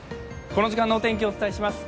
この時間のお天気をお伝えします。